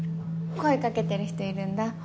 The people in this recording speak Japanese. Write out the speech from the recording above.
声掛けてる人いるんだ。